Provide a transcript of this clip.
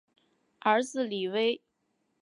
儿子李威。